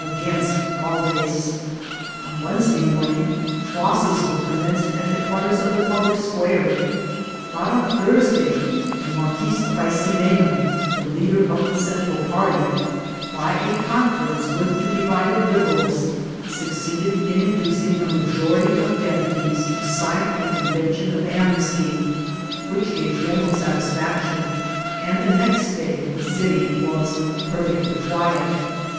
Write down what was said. against Ghdves. On Wednesday mom* ing foeste were c<Hnmenced at the comera of the pi^ lie square ; but on Thursday the Marquis of Aydneau^ the leader oi the Central party, by a conference with the divided Liberals, succeeded in indtHung a majonty of dq>utie8 to sign a convention of anmesty, which gave general 8atis£Eu:tik>n9 and the next day the city was per* fectly quiet.